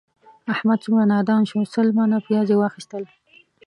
محمود څومره نادان شو، سل منه پیاز یې واخیستل